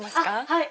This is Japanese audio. はい。